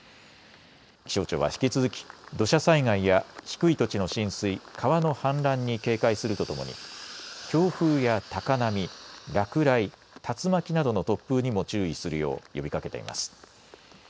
気象庁は引き続き土砂災害や低い土地の浸水、川の氾濫に警戒するとともに強風や高波、落雷、竜巻などの突風にも注意するよう呼びかけています。